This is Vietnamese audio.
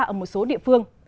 ở một số địa phương